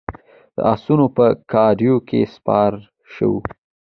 د آسونو په ګاډیو کې سپاره شوو.